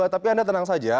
tapi anda tenang saja